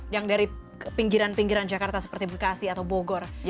yang dari pinggiran pinggiran jakarta seperti bekasi atau bogor